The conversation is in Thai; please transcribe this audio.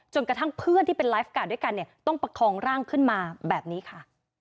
กระทั่งเพื่อนที่เป็นไลฟ์การ์ดด้วยกันเนี่ยต้องประคองร่างขึ้นมาแบบนี้ค่ะ